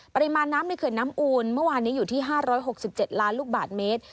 ปริมาณน้ำในเขื่อนน้ำอูนเมื่อวานนี้อยู่ที่๕๖๗ล้านลูกบาทเมตร